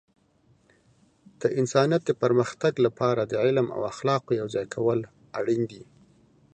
د انسانیت د پرمختګ لپاره د علم او اخلاقو یوځای کول اړین دي.